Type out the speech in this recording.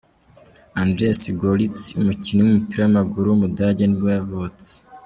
Andreas Görlitz, umukinnyi w’umupira w’amaguru w’umudage nibwo yavutse.